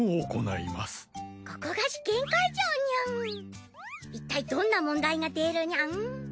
いったいどんな問題が出るニャン。